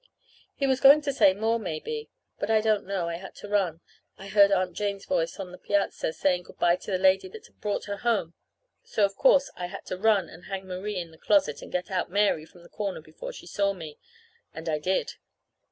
He was going to say more, maybe; but I don't know, I had to run. I heard Aunt Jane's voice on the piazza saying good bye to the lady that had brought her home; so, of course, I had to run and hang Marie in the closet and get out Mary from the corner before she saw me. And I did.